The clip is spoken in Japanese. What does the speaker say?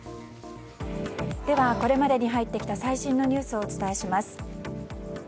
では、これまでに入ってきた最新のニュースをお伝えします。